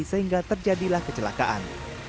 sehingga terjadilah kecelakaan